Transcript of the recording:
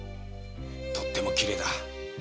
とってもきれいだ。